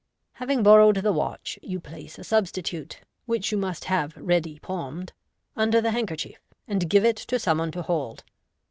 Having borrowed the watch, you place a substitute (whicb you must have ready palmed) under the handkerchief, and give it to some one to hold.